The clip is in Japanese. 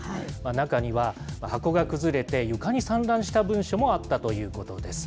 中には、箱が崩れて、床に散乱した文書もあったということです。